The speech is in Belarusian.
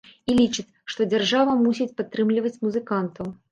І лічыць, што дзяржава мусіць падтрымліваць музыкантаў.